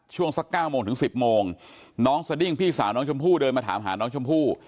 ช่วงสัก๙โมงถึง๑๐โมงน้องสดิ้งพี่สาวน้องชมพู่เดินมาถามหาน้องชมพู่